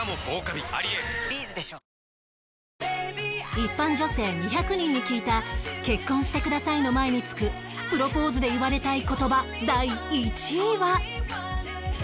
一般女性２００人に聞いた「結婚してください」の前につくプロポーズで言われたい言葉第１位は？